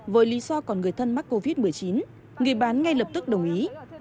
với lý do còn người thân mắc covid một mươi chín người bán ngay lập tức đồng ý